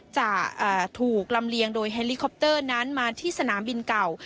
จะถูกลำเลียงโดยเฮลิคอปเตอร์นั้นมาที่สนามบินเก่า